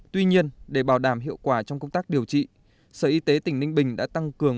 tuy nhiên để bảo đảm hiệu quả trong công tác điều trị sở y tế tỉnh ninh bình đã tăng cường